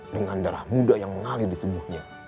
dengan darah muda yang mengalir di tubuhnya